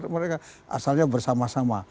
mereka asalnya bersama sama